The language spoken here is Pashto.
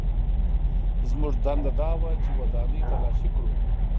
زموږ دنده دا وه چې ودانۍ تلاشي کړو